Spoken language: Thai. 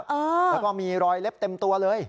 แล้วก็มีรอยเล็บเต็มตัวเลย